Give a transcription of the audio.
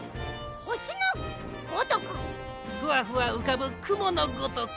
ふわふわうかぶくものごとく。